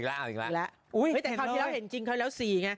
พอที่แล้วเห็นจริงเค้าเล่า๔ไง